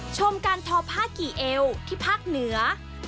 ชมการทอผ้ากี่เอวที่ภาคเหนือ